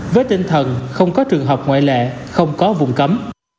với tinh thần không có trường hợp ngoại lệ không có vùng cấm